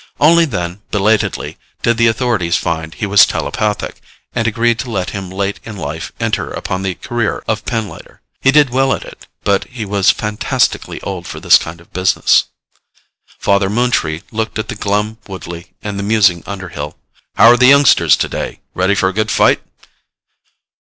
Only then, belatedly, did the authorities find he was telepathic and agree to let him late in life enter upon the career of pinlighter. He did well at it, but he was fantastically old for this kind of business. Father Moontree looked at the glum Woodley and the musing Underhill. "How're the youngsters today? Ready for a good fight?"